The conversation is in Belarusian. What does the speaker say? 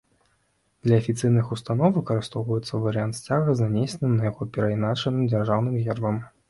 Для афіцыйных устаноў выкарыстоўваецца варыянт сцяга з нанесеным на яго перайначаным дзяржаўным гербам.